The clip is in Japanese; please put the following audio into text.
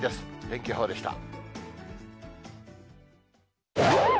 天気予報でした。